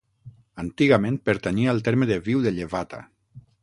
Antigament pertanyia al terme de Viu de Llevata.